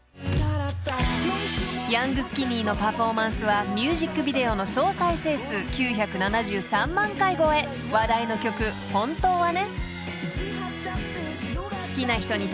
［ヤングスキニーのパフォーマンスはミュージックビデオの総再生数９７３万回超え話題の曲『本当はね、』］